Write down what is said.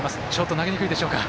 投げづらいでしょうか。